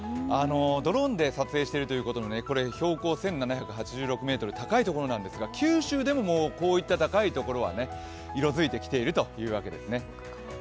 ドローンで撮影しているということで、標高が高い所なんですが九州でもこういった高い所は色づいてきているというわけですね。